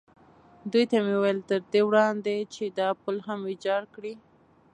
دوی ته مې وویل: تر دې وړاندې چې دا پل هم ویجاړ کړي.